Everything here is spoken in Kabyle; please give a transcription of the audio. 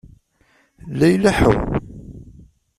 La ileḥḥu.